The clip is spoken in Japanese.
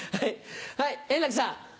はい円楽さん。